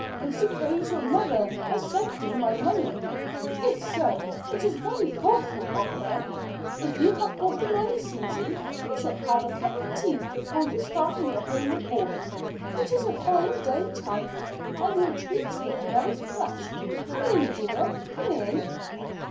"I suppose your mother has sent me my money. If so, it is very thoughtful of her. If you have brought the money, Susy, you shall have a cup of tea before you start on your homeward walk. It is a fine day, child, and your cheeks look very fresh. Come in, dear; come in."